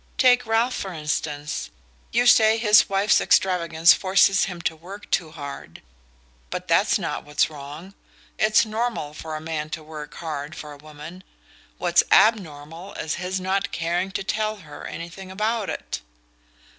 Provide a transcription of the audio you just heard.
Take Ralph for instance you say his wife's extravagance forces him to work too hard; but that's not what's wrong. It's normal for a man to work hard for a woman what's abnormal is his not caring to tell her anything about it."